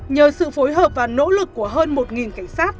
nhờ sự phối hợp và nỗ lực của hơn một cảnh sát